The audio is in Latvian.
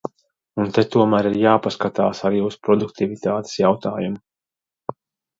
Un te tomēr ir jāpaskatās arī uz produktivitātes jautājumu.